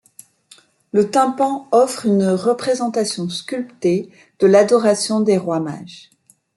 Le tympan offre une représentation sculptée de l’adoration des rois Mages.